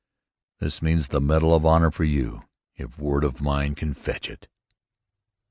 "This means the Medal of Honor for you, if word of mine can fetch it!"